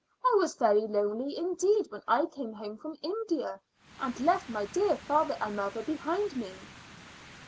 I was very lonely indeed when I came home from India and left my dear father and mother behind me."